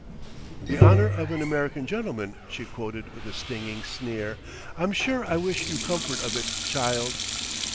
] "'The honor of an American gentleman,'" she quoted with a stinging sneer; "I'm sure I wish you comfort of it, child!"